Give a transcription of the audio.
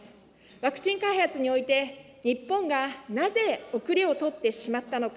ワクチン開発において、日本がなぜ後れを取ってしまったのか。